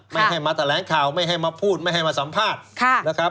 ไม่ให้มาแถลงข่าวไม่ให้มาพูดไม่ให้มาสัมภาษณ์นะครับ